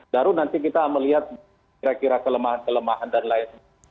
baru nanti kita melihat kira kira kelemahan kelemahan dan lain lain